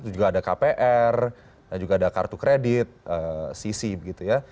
juga ada kpr dan juga ada kartu kredit cc begitu ya